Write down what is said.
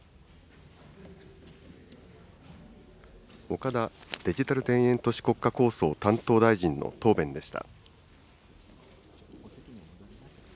岡田デジタル田園都市国家構想担当大臣の答弁でした。